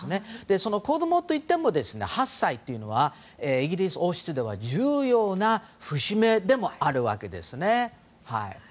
子供といっても８歳というのはイギリス王室では重要な節目でもあるんです。